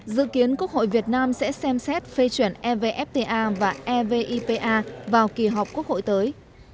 dự kiến quốc hội việt nam sẽ xem xét phê chuẩn evfta và evipa vào kỳ họp quốc hội tới